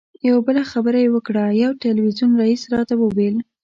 یوه بله خبره یې وکړه یو تلویزیون رییس راته وویل.